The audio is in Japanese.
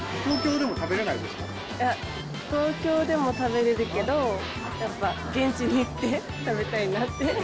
いや、東京でも食べれるけど、やっぱ現地に行って食べたいなって。